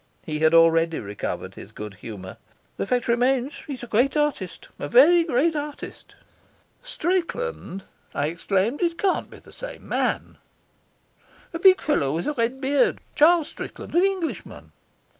He had already recovered his good humour. "The fact remains that he's a great artist, a very great artist." "Strickland?" I exclaimed. "It can't be the same man." "A big fellow with a red beard. Charles Strickland. An Englishman."